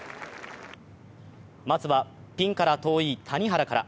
まずは、ピンから遠い谷原から。